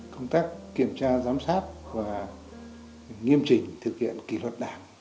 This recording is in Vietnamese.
công tác kiểm tra giám sát và nghiêm trình thực hiện kỷ luật đảng